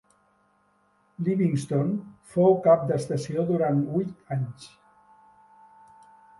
Livingston fou cap d'estació durant huit anys.